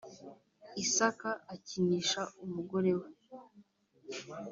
isaka akinisha umugore we